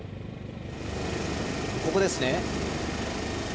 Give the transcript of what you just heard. ここですね。